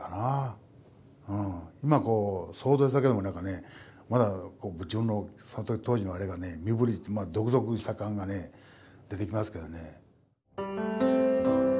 今こう想像しただけでもなんかねまだ自分のその当時のあれがね身震いゾクゾクした感がね出てきますけどね。